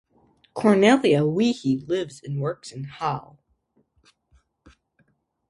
Cornelia Weihe lives and works in Halle.